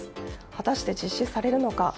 果たして実施されるのか。